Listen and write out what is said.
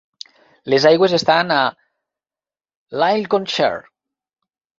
Les aigües estan a Lincolnshire.